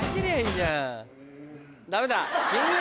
ダメだ。